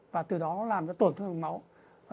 và từ đó nó làm cho tổn thương mạch máu